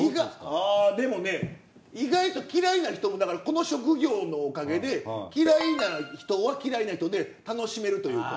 ああでもね意外と嫌いな人もこの職業のおかげで嫌いな人は嫌いな人で楽しめるというか。